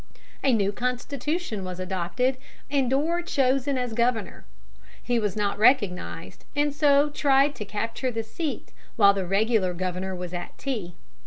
A new Constitution was adopted, and Dorr chosen as Governor. He was not recognized, and so tried to capture the seat while the regular governor was at tea.